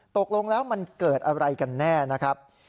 ตกลงแล้วมันเกิดอะไรกันแน่นะครับ